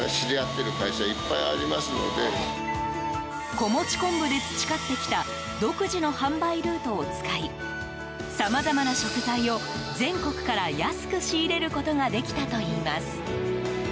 子持ち昆布で培ってきた独自の販売ルートを使いさまざまな食材を全国から安く仕入れることができたといいます。